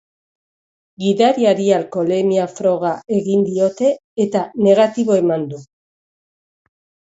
Gidariari alkoholemia froga egin diote eta negatibo eman du.